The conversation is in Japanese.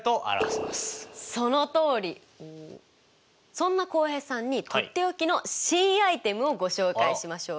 そんな浩平さんにとっておきの新アイテムをご紹介しましょう。